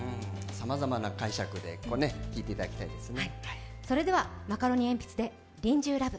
さまざまな解釈で聴いていただきたいですね。